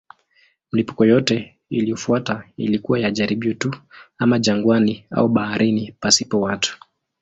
Milipuko yote iliyofuata ilikuwa ya jaribio tu, ama jangwani au baharini pasipo watu.